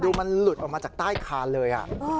ดูมันหลุดออกมาจากใต้คานเลย